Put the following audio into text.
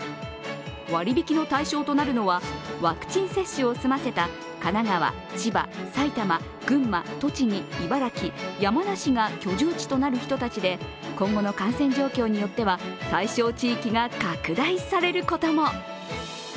割り引きの対象となるのはワクチン接種を済ませた神奈川、千葉、埼玉、群馬栃木、茨城、山梨が居住地となる人たちで今後の感染状況によっては対象地域が拡大されることも。